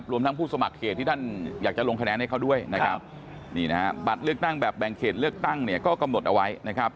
ทั้งผู้สมัครเขตที่ท่านอยากจะลงคะแนนให้เขาด้วยนะครับนี่นะฮะบัตรเลือกตั้งแบบแบ่งเขตเลือกตั้งเนี่ยก็กำหนดเอาไว้นะครับ